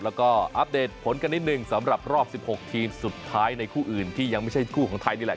แล้วก็อัปเดตผลกันนิดหนึ่งสำหรับรอบ๑๖ทีมสุดท้ายในคู่อื่นที่ยังไม่ใช่คู่ของไทยนี่แหละ